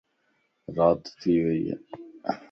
رات ٿي ويئي